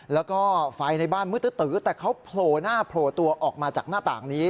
แล้วก็ไฟในบ้านมืดตื้อแต่เขาโผล่หน้าโผล่ตัวออกมาจากหน้าต่างนี้